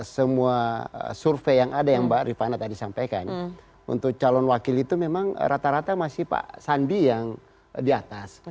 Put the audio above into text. semua survei yang ada yang mbak rifana tadi sampaikan untuk calon wakil itu memang rata rata masih pak sandi yang di atas